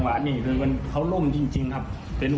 เขาร่มตรงเนี่ยบายหลังลงไปผ้า